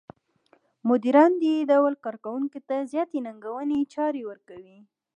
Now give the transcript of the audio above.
مديران دې ډول کار کوونکو ته زیاتې ننګوونکې چارې ورکوي.